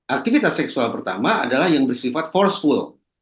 aktivitas seksual pertama adalah yang bersifat forceful